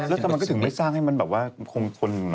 แล้วทำไมก็ถึงไม่สร้างให้มันแบบว่าคงทน